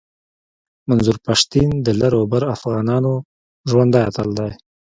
منظور پشتین د لر او بر افغانانو ژوندی اتل دی